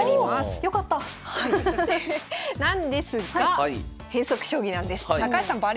なんですが変則将棋なんです。